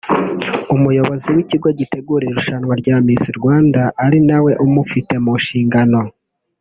umuyobozi w’ikigo gitegura irushanwa rya Miss Rwanda ari na we umufite mu nshingano